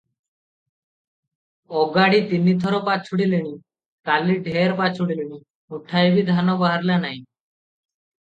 ଅଗାଡ଼ି ତିନି ଥର ପାଛୁଡ଼ିଲିଣି, କାଲି ଢେର ପାଛୁଡ଼ିଲି, ମୁଠାଏ ବି ଧାନ ବାହାରିଲା ନାହିଁ ।